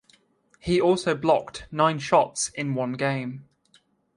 He also blocked nine shots in one game.